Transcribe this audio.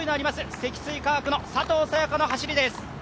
積水化学の佐藤早也伽の走りです。